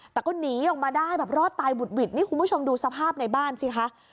แต่ก็หนีออกมาได้แบบรอดตายบุดหวิดนี่คุณผู้ชมดูสภาพในบ้านสิคะ